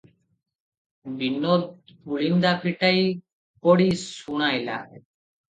ବିନୋଦ ପୁଳିନ୍ଦା ଫିଟାଇ ପଡ଼ି ଶୁଣାଇଲା:-